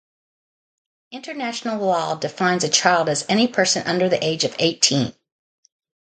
International law defines a child as any person under the age of eighteen.